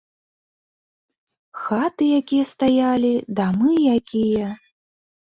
Хаты якія стаялі, дамы якія!